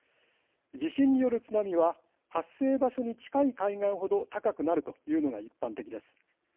地震による津波は発生場所に近い海岸ほど高くなるというのが一般的です。